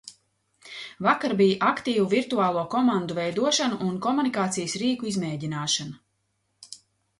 Vakar bija aktīva virtuālo komandu veidošana un komunikācijas rīku izmēģināšana.